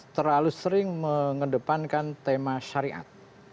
terlalu sering mengedepankan tema syariat